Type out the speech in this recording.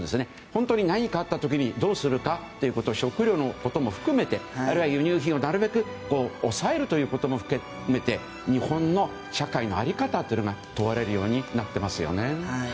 本当に何かあった時にどうするかということを食料のことも含めてあるいは輸入品をなるべく抑えるということも含めて日本の社会の在り方というのが問われるようになっていますよね。